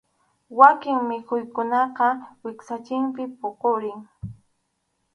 Wakin mikhuykunaqa wiksanchikpi puqurin.